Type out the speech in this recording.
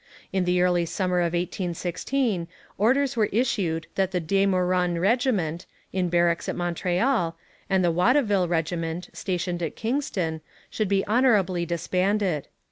In the early summer of 1816 orders were issued that the De Meuron regiment, in barracks at Montreal, and the Watteville regiment, stationed at Kingston, should be honourably disbanded.